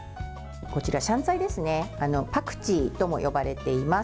こちらシャンツァイパクチーとも呼ばれています。